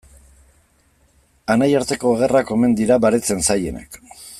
Anaiarteko gerrak omen dira baretzen zailenak.